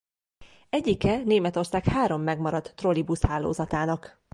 Egyike Németország három megmaradt trolibuszhálózatának.